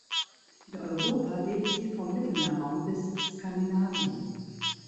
In Europa lebt sie vom Mittelmeerraum bis Skandinavien.